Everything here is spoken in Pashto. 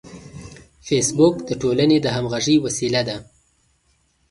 فېسبوک د ټولنې د همغږۍ وسیله ده